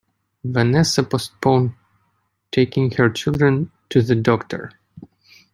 Vanessa postponed taking her children to the doctor.